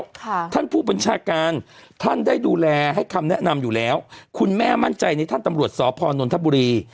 ท่านผู้บัญชาการท่านได้ดูแลให้คำแนะนำอยู่แล้วคุณแม่มั่นใจในท่านตำรวจสพนนทบุรี